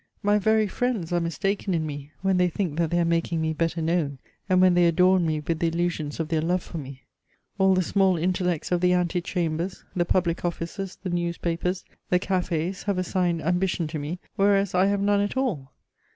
My very friends are mistaken in me, when they think that they are making me better known and when they adorn me with the illusions of their love for me. All the small intellects of the ante chambers, the public offices, the newspapers, the cafés have assigned ambition to me, whereas I have none at all.